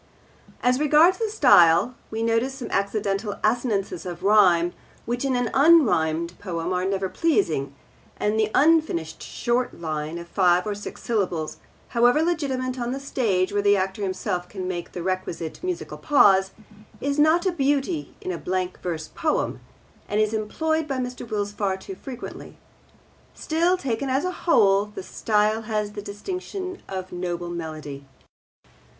As regards the style, we notice some accidental assonances of rhyme which in an unrhymed poem are never pleasing; and the unfinished short line of five or six syllables, however legitimate on the stage where the actor himself can make the requisite musical pause, is not a beauty in a blank verse poem, and is employed by Mr. Wills far too frequently. Still, taken as a whole, the style has the distinction of noble melody.